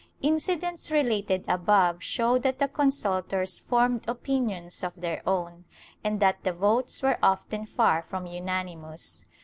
Incidents related above show that the consultors formed opinions of their own, and that the votes were often far from unanimous.